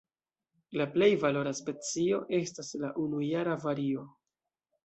La plej valora specio estas la unujara vario.